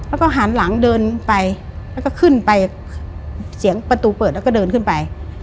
แล้วก็หันหลังเดินไปแล้วก็ขึ้นไปเสียงประตูเปิดแล้วก็เดินขึ้นไป